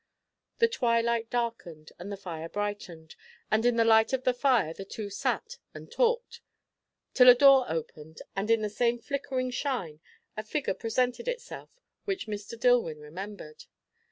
The twilight darkened, and the fire brightened, and in the light of the fire the two sat and talked; till a door opened, and in the same flickering shine a figure presented itself which Mr. Dillwyn remembered.